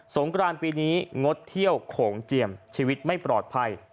งกรานปีนี้งดเที่ยวโขงเจียมชีวิตไม่ปลอดภัย